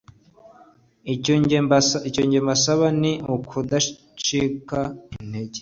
icyo njye mbasaba ni ukudacika intege’’